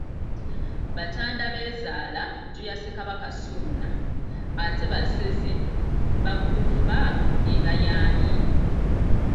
Batandabeezaala nju ya Ssekabaka Ssuuna, ate Basezibakumba eba y'ani?